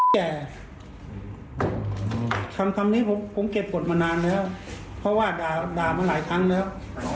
แต่คำนี้ผมเก็บกฎมานานแล้วเพราะว่าด่ามาหลายครั้งแล้ว